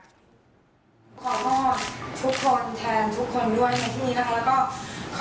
ขอโทษทุกคนแทนทุกคนด้วยในที่นี้นะคะ